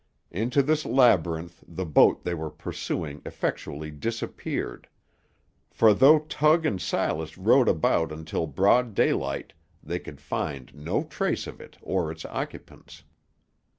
Into this labyrinth the boat they were pursuing effectually disappeared; for though Tug and Silas rowed about until broad daylight they could find no trace of it or its occupants.